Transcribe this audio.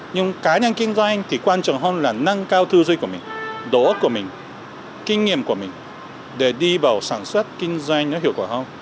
nhưng cá nhân kinh doanh thì quan trọng hơn là nâng cao thư duy của mình đối ước của mình kinh nghiệm của mình để đi vào sản xuất kinh doanh nó hiệu quả không